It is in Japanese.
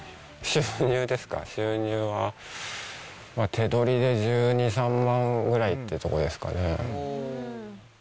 収入ですか、収入は手取りで１２、３万ぐらいってとこですかね。